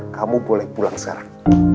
kamu boleh pulang sekarang